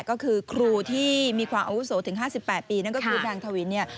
ก็คือครูที่มีความอาวุโสถึง๕๘ปีนั่นก็คือนางทวินเนี่ย